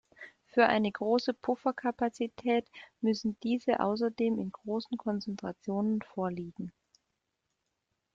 Für eine große Pufferkapazität müssen diese außerdem in großen Konzentrationen vorliegen.